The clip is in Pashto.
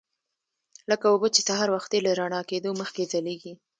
لکه اوبه چې سهار وختي له رڼا کېدو مخکې ځلیږي.